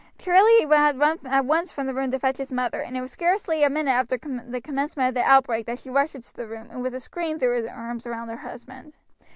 Charlie had run at once from the room to fetch his mother, and it was scarcely a minute after the commencement of the outbreak that she rushed into the room, and with a scream threw her arms round her husband.